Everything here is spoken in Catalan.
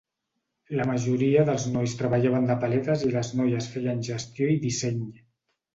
La majoria dels nois treballaven de paletes i les noies feien gestió i disseny.